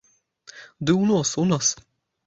Ды ў нос, у нос!